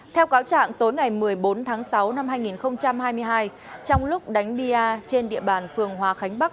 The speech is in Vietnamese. theo cáo trạng tối ngày một mươi bốn tháng sáu năm hai nghìn hai mươi hai trong lúc đánh bia trên địa bàn phường hòa khánh bắc